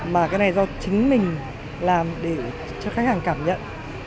mà cái này do chính mình làm để cho khách hàng cảm nhận